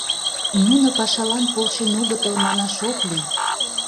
Нуно пашалан полшен огытыл манаш ок лий.